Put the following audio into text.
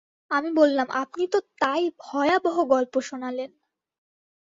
আমি বললাম, আপনি তো তাই ভয়াবহ গল্প শোনালেন।